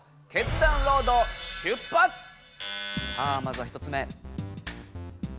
さあまずは１つ目。